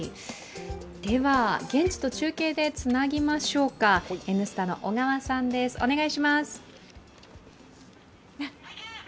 では、現地と中継でつなぎましょうか「Ｎスタ」の小川さんです、お願いします。